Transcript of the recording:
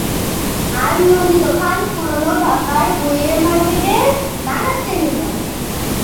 আর নিয়মিত খান পুরোনো ঢাকার বইয়ের মার্কেটের নানা শ্রেণির মানুষ।